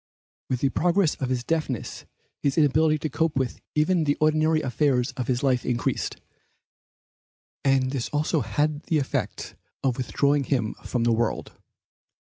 With the progress of his deafness his inability to cope with even the ordinary affairs of life increased, and this also had the effect of withdrawing him from the world.